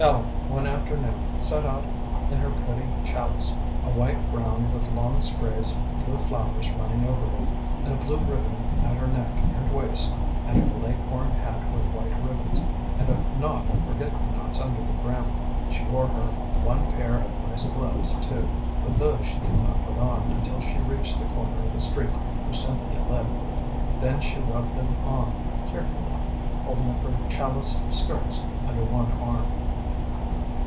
Ellen, one afternoon, set out in her pretty challis, a white ground with long sprays of blue flowers running over it, and a blue ribbon at her neck and waist, and her leghorn hat with white ribbons, and a knot of forget me nots under the brim. She wore her one pair of nice gloves, too, but those she did not put on until she reached the corner of the street where Cynthia lived. Then she rubbed them on carefully, holding up her challis skirts under one arm.